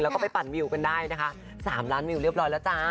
แล้วก็ไปปั่นวิวกันได้นะคะ๓ล้านวิวเรียบร้อยแล้วจ้า